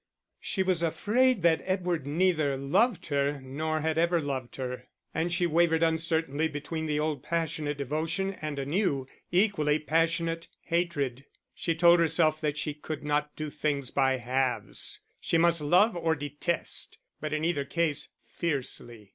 She was afraid that Edward neither loved her nor had ever loved her; and she wavered uncertainly between the old passionate devotion and a new, equally passionate hatred. She told herself that she could not do things by halves; she must love or detest, but in either case, fiercely.